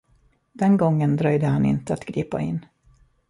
Den gången dröjde han inte att gripa in.